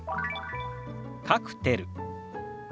「カクテル」。